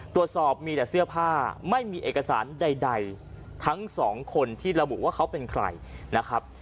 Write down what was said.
ตรวจสอบมีแต่เสื้อผ้าไม่มีเอกสารใดทั้งสองคนที่ระบุว่าเขาเป็นใครนะครับ